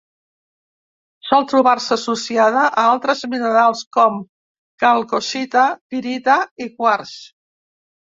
Sol trobar-se associada a altres minerals com: calcocita, pirita i quars.